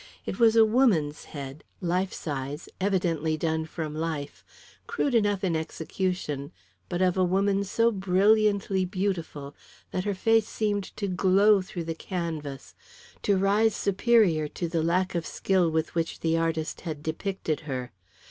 It was a woman's head, life size, evidently done from life, crude enough in execution, but of a woman so brilliantly beautiful that her face seemed to glow through the canvas, to rise superior to the lack of skill with which the artist had depicted her.